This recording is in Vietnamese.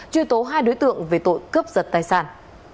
truy tố hai đối tượng về tội cướp giật tài sản